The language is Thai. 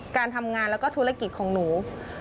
การทำงานแล้วก็ธุรกิจของหนู